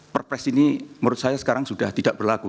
perpres ini menurut saya sekarang sudah tidak berlaku